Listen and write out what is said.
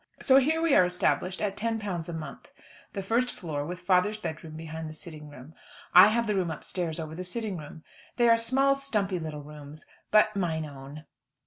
So here we are established, at £10 a month the first floor, with father's bedroom behind the sitting room. I have the room upstairs over the sitting room. They are small stumpy little rooms, "but mine own."